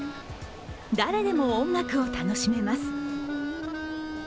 誰でも音楽を楽しめます。